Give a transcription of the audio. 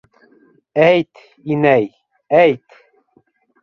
Әйт, инәй, әйт...